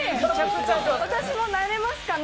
私もなれますかね